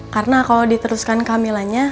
karena kalau diteruskan kehamilannya